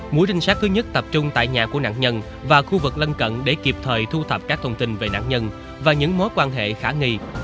mũi trinh sát thứ nhất tập trung tại nhà của nạn nhân và khu vực lân cận để kịp thời thu thập các thông tin về nạn nhân và những mối quan hệ khả nghi